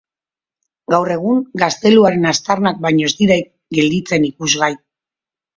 Gaur egun gazteluaren aztarnak baino ez dira gelditzen ikusgai.